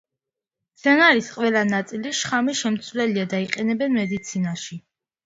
მცენარის ყველა ნაწილი შხამის შემცველია და იყენებენ მედიცინაში.